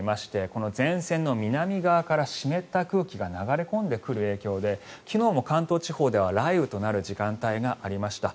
この前線の南側から湿った空気が流れ込んでくる影響で昨日も関東地方では雷雨となる時間帯がありました。